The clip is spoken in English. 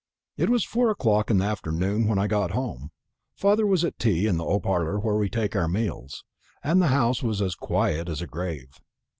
It was four o'clock in the afternoon when I got home; father was at tea in the oak parlour where we take our meals, and the house was as quiet as a grave.